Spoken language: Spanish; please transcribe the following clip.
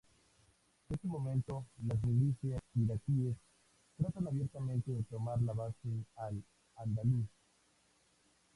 Desde ese momento las milicias iraquíes tratan abiertamente de tomar la base Al Andalus.